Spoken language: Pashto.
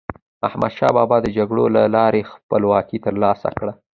احمدشاه بابا د جګړو له لارې خپلواکي تر لاسه کړه.